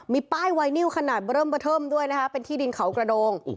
มีป้ายไวนิวขนาดเริ่มเบอร์เทิมด้วยนะคะเป็นที่ดินเขากระโดง